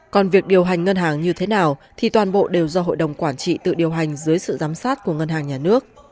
còn việc điều hành ngân hàng như thế nào thì toàn bộ đều do hội đồng quản trị tự điều hành dưới sự giám sát của ngân hàng nhà nước